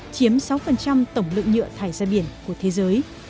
chiếm sáu tổng lượng nhựa thải ra biển của thế giới